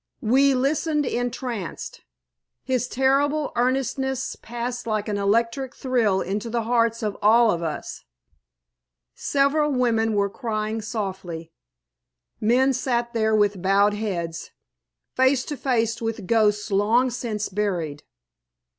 We listened entranced. His terrible earnestness passed like an electric thrill into the hearts of all of us. Several women were crying softly; men sat there with bowed heads, face to face with ghosts long since buried.